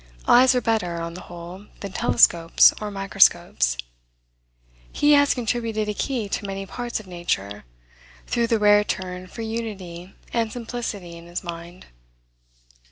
Eyes are better, on the whole, than telescopes or microscopes. He has contributed a key to many parts of nature, through the rare turn for unity and simplicity in his mind.